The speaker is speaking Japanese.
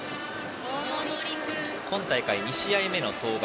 今大会２試合目の登板。